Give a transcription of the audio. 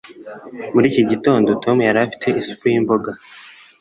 muri iki gitondo, tom yari afite isupu y'imboga